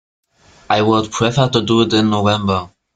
I would prefer to do it in November.